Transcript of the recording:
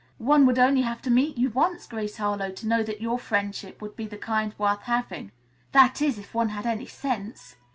One would only have to meet you once, Grace Harlowe, to know that your friendship would be the kind worth having. That is, if one had any sense.